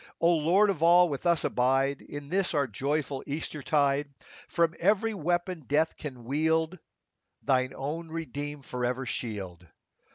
O Lord of all ! with us abide In this our joyful Easter tide : From every weapon death can wield Thine own redeemed forever shield.